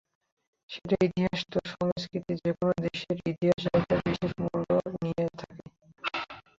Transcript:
এটা ইতিহাস তো, সংস্কৃতি যেকোনো দেশের ইতিহাসে একটা বিশেষ মূল্য নিয়ে থাকে।